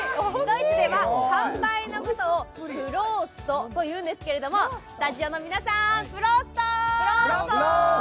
うわ、ドイツでは乾杯のことをフローストと言うんですけれども、スタジオの皆さん、フロースト。